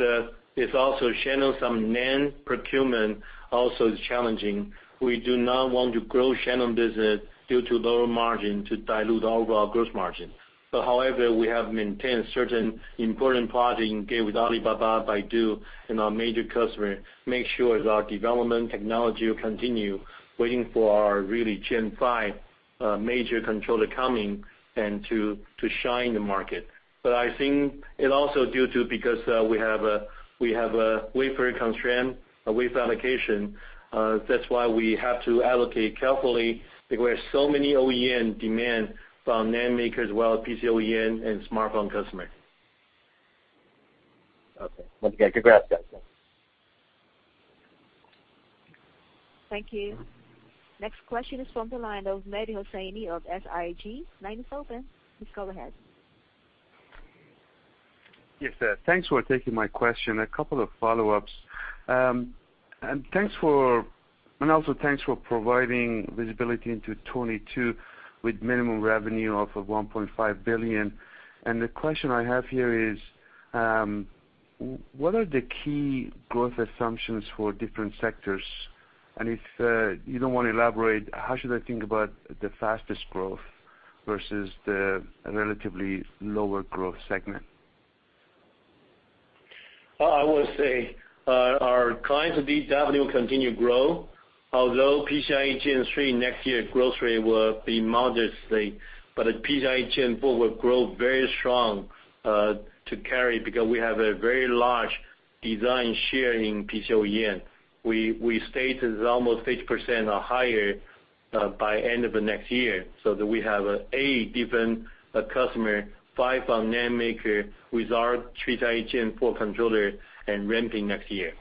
[SPEAKER 3] it's also Shannon, some NAND procurement also is challenging. We do not want to grow Shannon business due to lower margin to dilute overall gross margin. However, we have maintained certain important project engaged with Alibaba, Baidu, and our major customer, make sure our development technology will continue waiting for our Gen 5 major controller coming and to shine the market. I think it also due to because, we have a wafer constraint, a wafer allocation. That's why we have to allocate carefully because so many OEM demand from NAND makers as well as PC OEM and smartphone customer.
[SPEAKER 9] Okay. Once again, congrats guys.
[SPEAKER 1] Thank you. Next question is from the line of Mehdi Hosseini of SIG. Line is open. Please go ahead.
[SPEAKER 10] Yes. Thanks for taking my question. A couple of follow-ups. Also thanks for providing visibility into 2022 with minimum revenue of $1.5 billion. The question I have here is, what are the key growth assumptions for different sectors? If you don't want to elaborate, how should I think about the fastest growth versus the relatively lower growth segment?
[SPEAKER 3] Well, I would say our clients SSDs, definitely will continue grow, although PCIe Gen 3 next year, growth rate will be modestly. PCIe Gen 4 will grow very strong, to carry because we have a very large design share in PC OEM. We state is almost 50% or higher by end of the next year, so that we have eight different customer, five from NAND maker with our Gen 4 controller and ramping next year.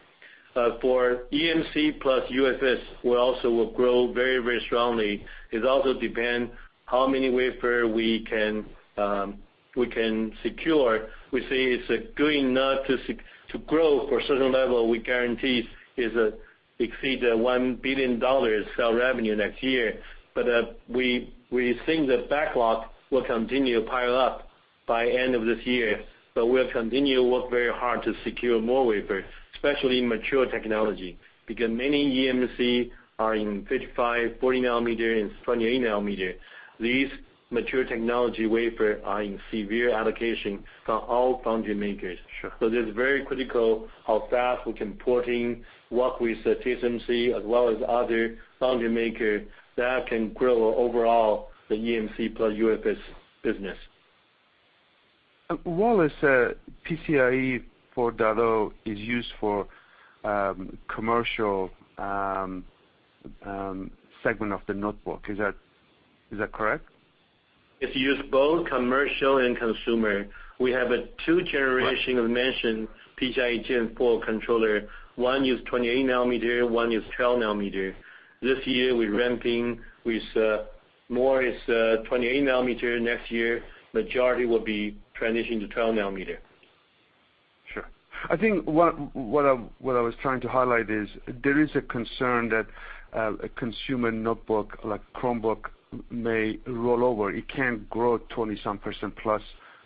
[SPEAKER 3] For eMMC plus UFS, we also will grow very strongly. It also depend how many wafer we can secure. We say it's good enough to grow for a certain level, we guarantee is exceed $1 billion sale revenue next year. We think the backlog will continue pile up by end of this year. We'll continue work very hard to secure more wafer, especially in mature technology, because many eMMC are in 55 nm, 40 nm, and 28 nm. These mature technology wafer are in severe allocation from all foundry makers.
[SPEAKER 10] Sure.
[SPEAKER 3] It is very critical how fast we can port in, work with TSMC as well as other foundry maker that can grow overall the eMMC plus UFS business.
[SPEAKER 10] Well, as PCIe 4.0 is used for commercial segment of the notebook. Is that correct?
[SPEAKER 3] It's used both commercial and consumer. We have a two generation of mentioned PCIe Gen 4 controller. One use 28 nm, one use 12 nm. This year, we're ramping with more is 28 nm. Next year, majority will be transitioning to 12 nm.
[SPEAKER 10] Sure. I think what I was trying to highlight is there is a concern that a consumer notebook like Chromebook may roll over. It can't grow 20%+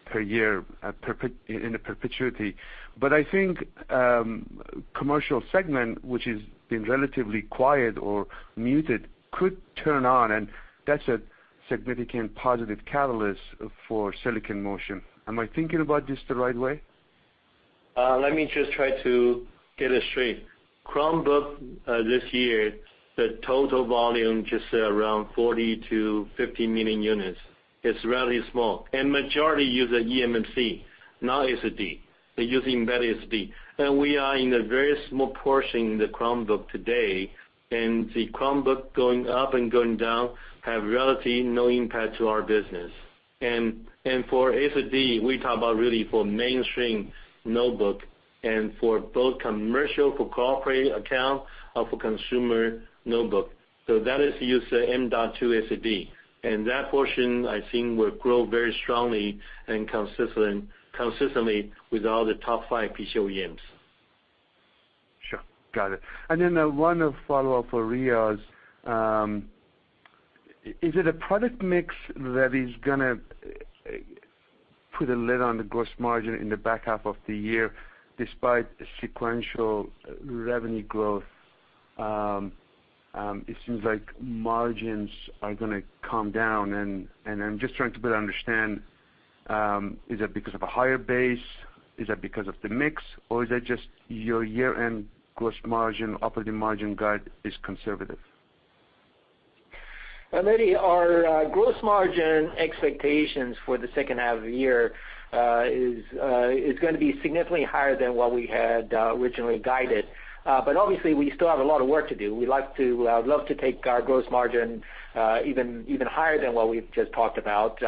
[SPEAKER 10] per year in a perpetuity. I think commercial segment, which has been relatively quiet or muted, could turn on, and that's a significant positive catalyst for Silicon Motion. Am I thinking about this the right way?
[SPEAKER 3] Let me just try to get this straight. Chromebook, this year, the total volume just around 40 million-50 million units. It's relatively small. Majority use an eMMC, not SSD. They use embedded SSD. We are in a very small portion in the Chromebook today, and the Chromebook going up and going down have relatively no impact to our business. For SSD, we talk about really for mainstream notebook and for both commercial, for corporate account, or for consumer notebook. That is used to M.2 SSD. That portion, I think, will grow very strongly and consistently with all the top five PC OEMs.
[SPEAKER 10] Sure. Got it. Then one follow-up for Riyadh. Is it a product mix that is going to put a lid on the gross margin in the back half of the year despite sequential revenue growth? It seems like margins are going to come down, and I'm just trying to better understand, is that because of a higher base, is that because of the mix, or is it just your year-end gross margin, operating margin guide is conservative?
[SPEAKER 4] Mehdi, our gross margin expectations for the second half of the year is going to be significantly higher than what we had originally guided. Obviously, we still have a lot of work to do. We'd love to take our gross margin even higher than what we've just talked about.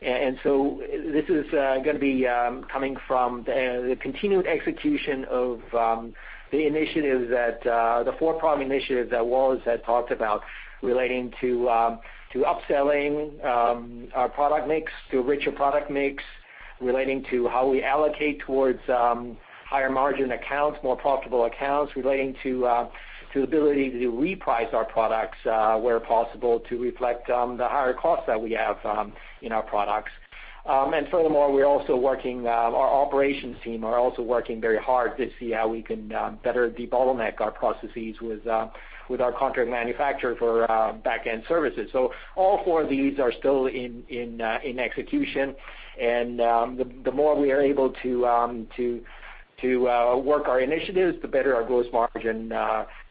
[SPEAKER 4] This is going to be coming from the continued execution of the four prime initiatives that Wallace had talked about relating to upselling our product mix to a richer product mix, relating to how we allocate towards higher margin accounts, more profitable accounts, relating to the ability to reprice our products where possible to reflect the higher costs that we have in our products. Furthermore, our operations team are also working very hard to see how we can better debottleneck our processes with our contract manufacturer for back-end services. All four of these are still in execution, the more we are able to work our initiatives, the better our gross margin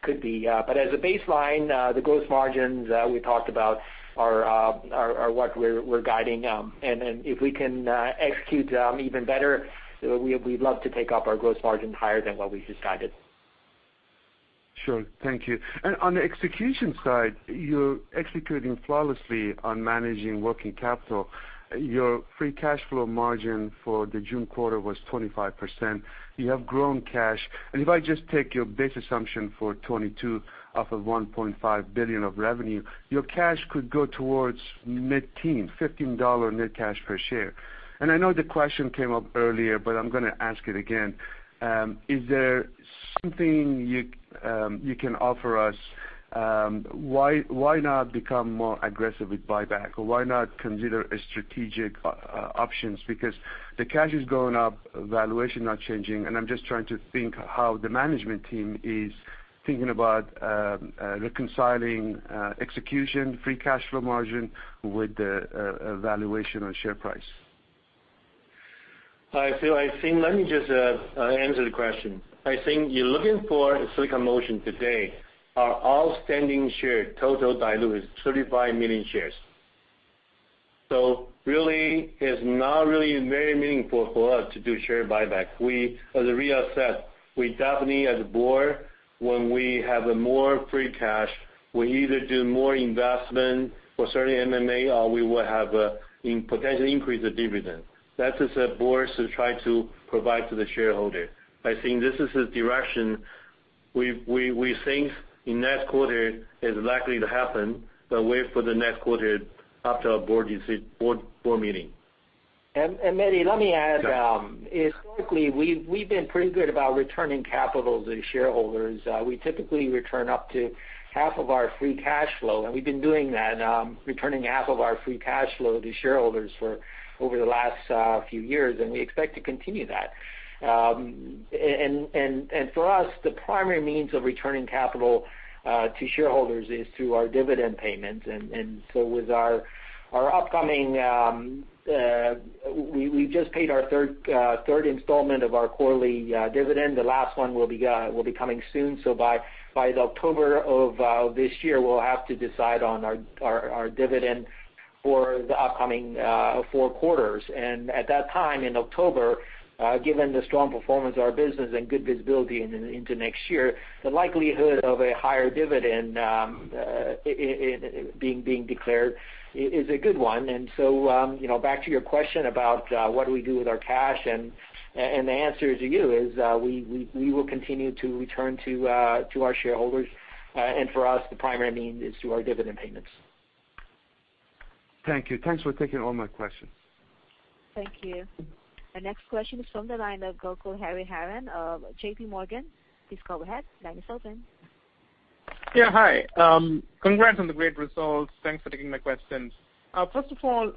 [SPEAKER 4] could be. As a baseline, the gross margins we talked about are what we're guiding. If we can execute even better, we'd love to take up our gross margin higher than what we've just guided.
[SPEAKER 10] Sure. Thank you. On the execution side, you're executing flawlessly on managing working capital. Your free cash flow margin for the June quarter was 25%. You have grown cash. If I just take your base assumption for 2022 off of $1.5 billion of revenue, your cash could go towards mid-teen, $15 net cash per share. I know the question came up earlier, but I'm going to ask it again. Is there something you can offer us? Why not become more aggressive with buyback, or why not consider strategic options? The cash is going up, valuation not changing, and I'm just trying to think how the management team is thinking about reconciling execution, free cash flow margin with the valuation on share price.
[SPEAKER 3] Hi, Hosseini. Let me just answer the question. I think you're looking for Silicon Motion today are outstanding share total dilute is 35 million shares. Really, it's not really very meaningful for us to do share buyback. As Riaz said, we definitely as a board, when we have more free cash, we either do more investment for certain M&A, or we will have potentially increase the dividend. That is the board to try to provide to the shareholder. I think this is the direction we think the next quarter is likely to happen, but wait for the next quarter after our board meeting.
[SPEAKER 4] Mehdi, let me add, historically, we've been pretty good about returning capital to shareholders. We typically return up to half of our free cash flow, and we've been doing that, returning half of our free cash flow to shareholders for over the last few years, and we expect to continue that. For us, the primary means of returning capital to shareholders is through our dividend payments. We just paid our third installment of our quarterly dividend. The last one will be coming soon. By October of this year, we'll have to decide on our dividend for the upcoming four quarters. At that time in October, given the strong performance of our business and good visibility into next year, the likelihood of a higher dividend being declared is a good one. Back to your question about what do we do with our cash, and the answer to you is we will continue to return to our shareholders, and for us, the primary means is through our dividend payments.
[SPEAKER 10] Thank you. Thanks for taking all my questions.
[SPEAKER 1] Thank you. The next question is from the line of Gokul Hariharan of JPMorgan. Please go ahead. Line is open.
[SPEAKER 11] Yeah, hi. Congrats on the great results. Thanks for taking my questions. First of all,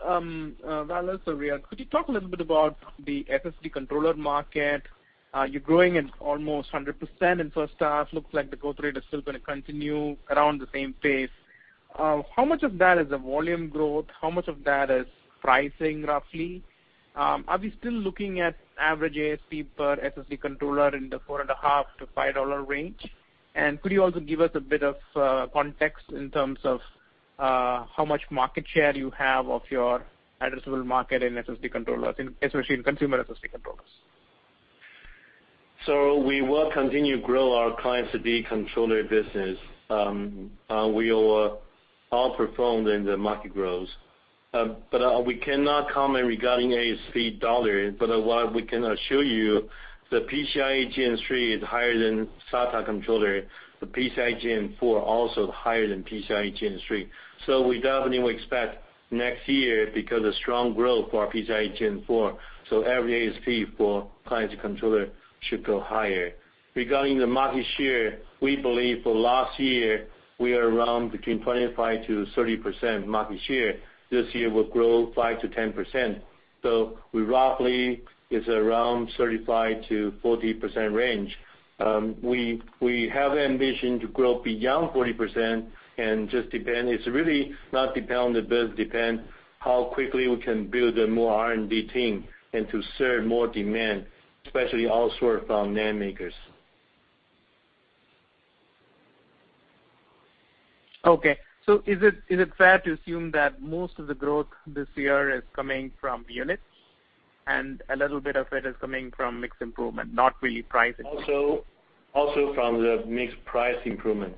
[SPEAKER 11] Wallace or Riyadh, could you talk a little bit about the SSD controller market? You're growing at almost 100% in first half. Looks like the growth rate is still going to continue around the same pace. How much of that is the volume growth? How much of that is pricing, roughly? Are we still looking at average ASP per SSD controller in the $4.50-$5 range? Could you also give us a bit of context in terms of how much market share you have of your addressable market in SSD controllers, especially in consumer SSD controllers?
[SPEAKER 3] We will continue to grow our client SSD controller business. We over-performed in the market growth. We cannot comment regarding ASP dollar, but what we can assure you, the PCIe Gen 3 is higher than SATA controller. The PCIe Gen 4 also is higher than PCIe Gen 3. We definitely expect next year to be because a strong growth for our PCIe Gen 4, so every ASP for client controller should go higher. Regarding the market share, we believe for last year, we are around between 25%-30% market share. This year will grow 5%-10%. Roughly, it's around 35%-40% range. We have ambition to grow beyond 40%, and it's really not depend on the business, depend how quickly we can build a more R&D team and to serve more demand, especially all sorts of NAND makers.
[SPEAKER 11] Okay. Is it fair to assume that most of the growth this year is coming from units, and a little bit of it is coming from mix improvement, not really pricing?
[SPEAKER 3] Also from the mix price improvement.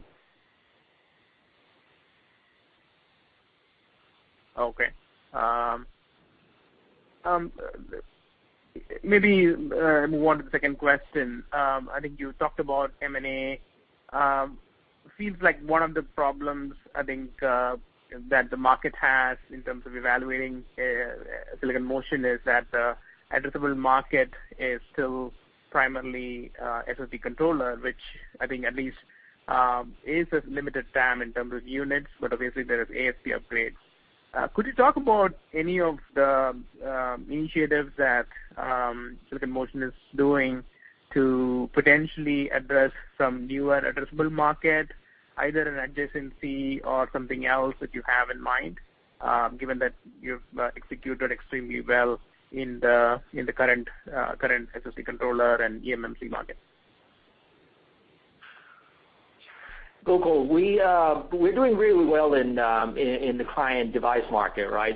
[SPEAKER 11] Okay. Maybe move on to the second question. I think you talked about M&A. Feels like one of the problems, I think, that the market has in terms of evaluating Silicon Motion is that the addressable market is still primarily SSD controller, which I think at least is a limited TAM in terms of units, but obviously there is ASP upgrades. Could you talk about any of the initiatives that Silicon Motion is doing to potentially address some newer addressable market, either an adjacency or something else that you have in mind, given that you've executed extremely well in the current SSD controller and eMMC market?
[SPEAKER 4] Gokul, we're doing really well in the client device market, right?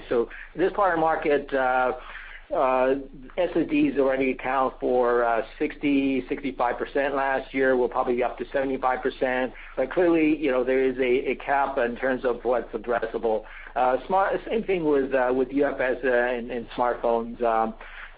[SPEAKER 4] This part of the market, SSDs already account for 60%, 65% last year, will probably be up to 75%. Clearly, there is a cap in terms of what's addressable. Same thing with UFS and smartphones.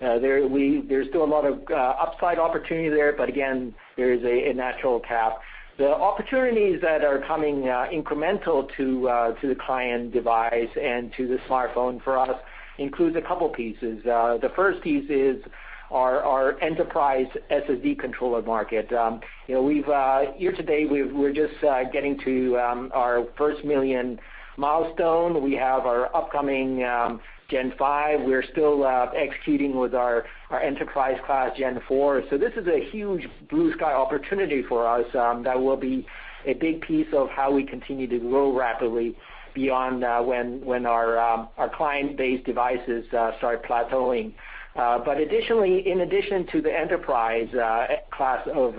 [SPEAKER 4] There's still a lot of upside opportunity there, but again, there is a natural cap. The opportunities that are coming incremental to the client device and to the smartphone for us includes a couple pieces. The first piece is our enterprise SSD controller market. Year-to-date, we're just getting to our first million milestone. We have our upcoming Gen 5. We're still executing with our enterprise class Gen 4. This is a huge blue sky opportunity for us that will be a big piece of how we continue to grow rapidly beyond when our client-based devices start plateauing. Additionally, in addition to the enterprise class of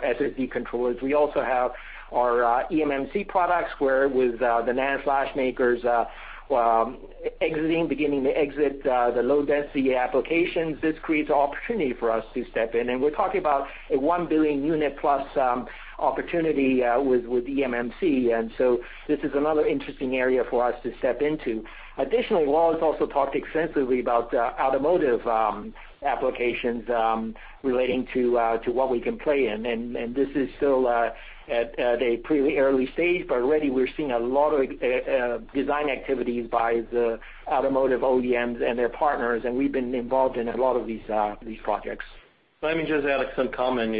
[SPEAKER 4] SSD controllers, we also have our eMMC products where with the NAND flash makers exiting, beginning to exit the low-density applications, this creates opportunity for us to step in. We're talking about a 1 billion unit plus opportunity with eMMC, and so this is another interesting area for us to step into. Additionally, Wallace also talked extensively about automotive applications relating to what we can play in. This is still at a pretty early stage, but already we're seeing a lot of design activities by the automotive OEMs and their partners, and we've been involved in a lot of these projects.
[SPEAKER 3] Let me just add some comment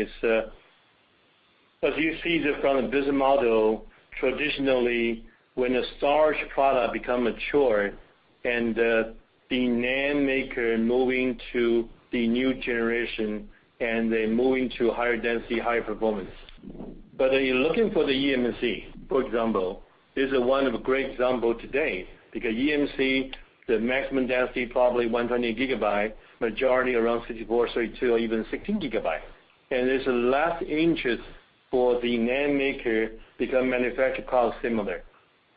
[SPEAKER 3] is. As you see this from a business model, traditionally, when a storage product become mature, the NAND maker moving to the new generation, they're moving to higher density, high performance. Are you looking for the eMMC, for example, is one of a great example today, because eMMC, the maximum density probably 128 GB, majority around 64 GB, 32 GB, or even 16 GB. There's a less interest for the NAND maker become manufacturer cost similar.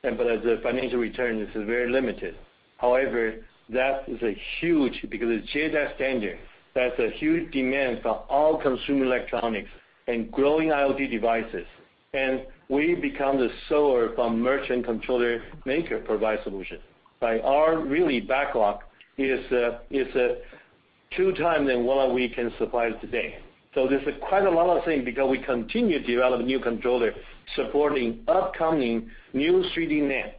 [SPEAKER 3] As a financial return, this is very limited. However, that is a huge, because it's JEDEC standard, that's a huge demand for all consumer electronics and growing IoT devices. We become the seller from merchant controller maker provide solution. By our really backlog is two times than what we can supply today. This is quite a lot of thing because we continue to develop a new controller supporting upcoming new 3D NAND.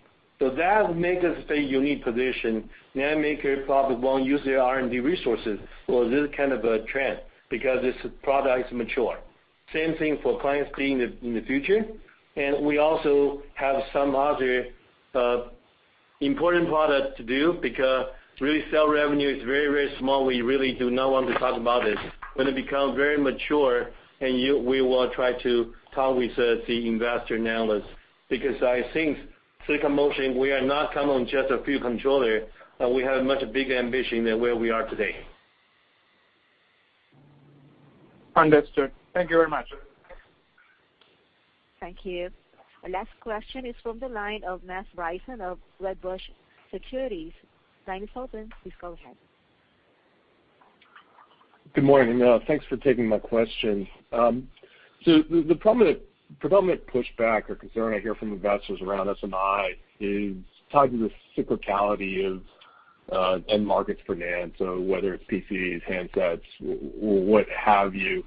[SPEAKER 3] That makes us a unique position. NAND maker probably won't use their R&D resources for this kind of a trend because this product is mature. Same thing for client [screen] in the future. We also have some other important product to do because really cell revenue is very, very small. We really do not want to talk about it. When it become very mature, and we will try to talk with the investor analyst. I think Silicon Motion, we are not come on just a few controller, and we have much bigger ambition than where we are today.
[SPEAKER 11] Understood. Thank you very much.
[SPEAKER 1] Thank you. Our last question is from the line of Matthew Bryson of Wedbush Securities. Line is open. Please go ahead.
[SPEAKER 12] Good morning. Thanks for taking my question. The predominant pushback or concern I hear from investors around SMI is tied to the cyclicality of end markets for NAND. Whether it's PCs, handsets, or what have you.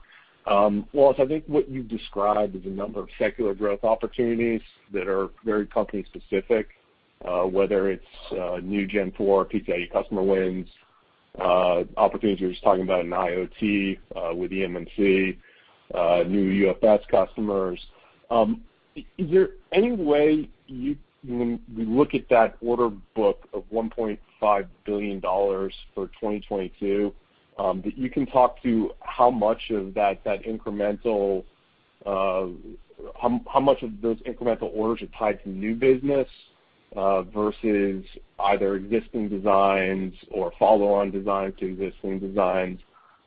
[SPEAKER 12] Wallace, I think what you've described is a number of secular growth opportunities that are very company specific, whether it's new Gen 4 PCIe customer wins, opportunities you're just talking about in IoT, with the eMMC, new UFS customers. Is there any way you, when we look at that order book of $1.5 billion for 2022, that you can talk to how much of those incremental orders are tied to new business, versus either existing designs or follow-on designs to existing designs?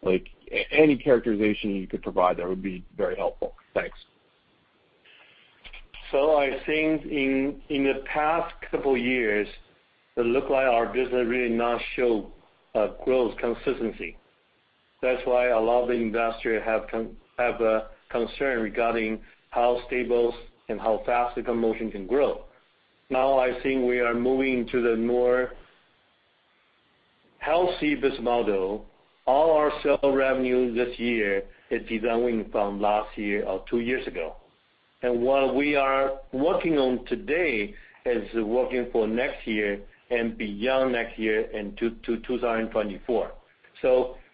[SPEAKER 12] Like, any characterization you could provide there would be very helpful. Thanks.
[SPEAKER 3] I think in the past couple years, it look like our business really not show growth consistency. That's why a lot of the investor have a concern regarding how stable and how fast Silicon Motion can grow. I think we are moving to the more healthy business model. All our sale revenue this year is designing from last year or two years ago. What we are working on today is working for next year and beyond next year into 2024.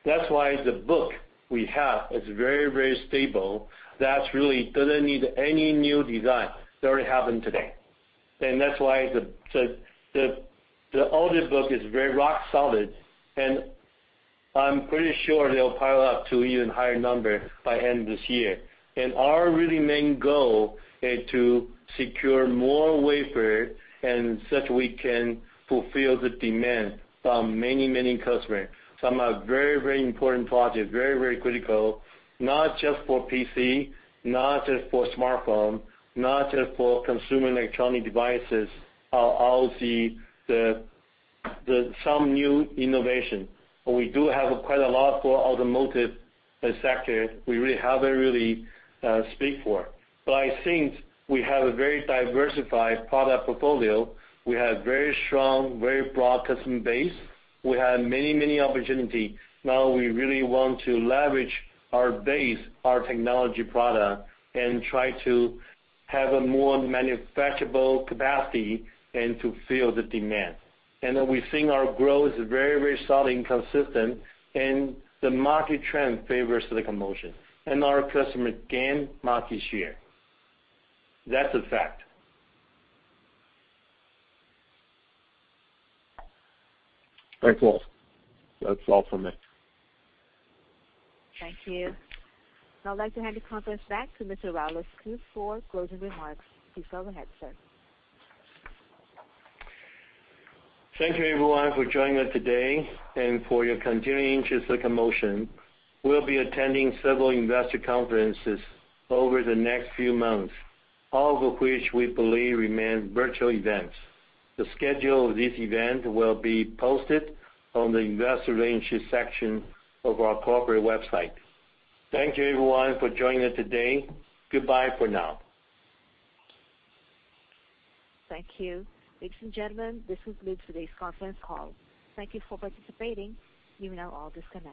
[SPEAKER 3] That's why the book we have is very, very stable. That really doesn't need any new design. It already happen today. That's why the order book is very rock solid, and I'm pretty sure they'll pile up to even higher number by end this year. Our really main goal is to secure more wafers and such we can fulfill the demand from many, many customers. Some are very, very important projects, very, very critical, not just for PC, not just for smartphone, not just for consumer electronic devices. I see some new innovation. We do have quite a lot for automotive sector. We haven't really speak for. I think we have a very diversified product portfolio. We have very strong, very broad customer base. We have many, many opportunities. Now we really want to leverage our base, our technology product, and try to have a more manufacturable capacity and to fill the demand. We think our growth is very, very solid and consistent, and the market trend favors Silicon Motion and our customers gain market share. That's a fact.
[SPEAKER 12] Thanks, Wallace. That's all from me.
[SPEAKER 1] Thank you. I'd like to hand the conference back to Wallace Kou for closing remarks. Please go ahead, sir.
[SPEAKER 3] Thank you everyone for joining us today and for your continuing interest in Silicon Motion. We'll be attending several investor conferences over the next few months, all of which we believe remain virtual events. The schedule of this event will be posted on the investor relations section of our corporate website. Thank you everyone for joining us today. Goodbye for now.
[SPEAKER 1] Thank you. Ladies and gentlemen, this concludes today's conference call. Thank you for participating. You may now all disconnect.